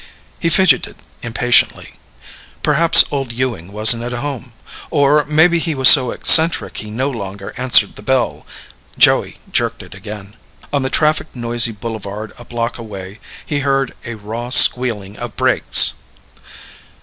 He fidgeted impatiently. Perhaps old Ewing wasn't at home. Or, maybe he was so eccentric he no longer answered the bell. Joey jerked it again. On the traffic noisy boulevard a block away, he heard a raw squealing of brakes.